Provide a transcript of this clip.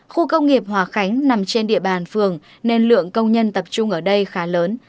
khu công nghiệp hòa khánh nằm trên địa bàn phường nên lượng công nhân tập trung ở đây khá lớn